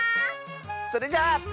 それじゃあ。